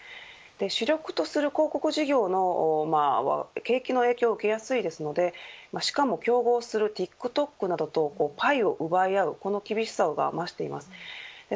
主力とする広告事業は景気の影響を受けやすいですのでしかも競合するＴｉｋＴｏｋなどとパイを奪い合うこの厳しさが増しています。